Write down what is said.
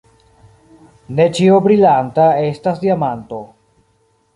Ne ĉio brilanta estas diamanto.